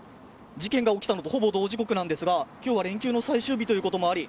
事件が起きたのとほぼ同時刻なんですが今日は連休の最終日ということもあり